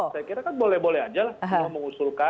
saya kira kan boleh boleh aja lah